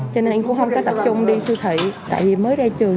cho nên em cũng không có tập trung đi siêu thị